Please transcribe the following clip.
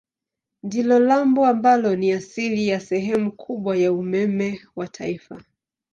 Ndilo lambo ambalo ni asili ya sehemu kubwa ya umeme wa taifa.